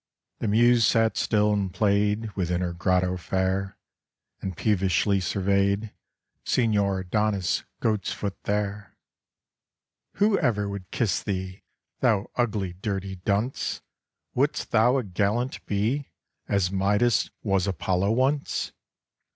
The Muse sat still, and played Within her grotto fair, And peevishly surveyed Signor Adonis Goatsfoot there. "Who ever would kiss thee, Thou ugly, dirty dunce? Wouldst thou a gallant be, As Midas was Apollo once?